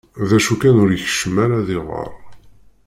D acu kan ur ikeččem ara ad iɣer.